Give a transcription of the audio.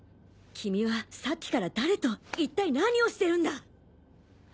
君はさっきから誰と一体何をしてるんだ？